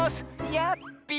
やっぴ！